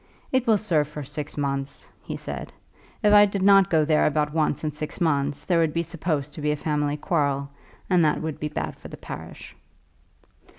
"It will serve for six months," he said. "If I did not go there about once in six months, there would be supposed to be a family quarrel, and that would be bad for the parish."